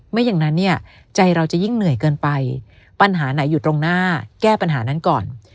ไม่อย่างนั้นเนี่ยใจเราจะยิ่งเหนื่อยเกินไปปัญหาไหนอยู่ตรงหน้าแก้ปัญหานั้นก่อน